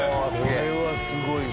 これはすごいわ。